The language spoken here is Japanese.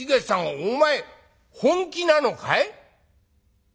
お前本気なのかい？